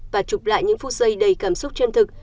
và chụp lại những phút giây đầy cảm xúc chân thực